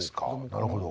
なるほど。